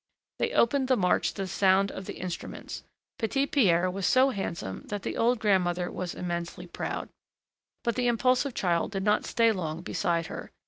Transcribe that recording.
They opened the march to the sound of the instruments. Petit Pierre was so handsome that the old grandmother was immensely proud. But the impulsive child did not stay long beside her.